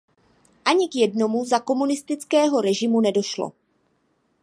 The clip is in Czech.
Ani k jednomu za komunistického režimu nedošlo.